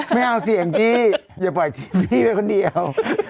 ไม่เอาเสียงพี่อย่าปล่อยพี่ไปคนเดียว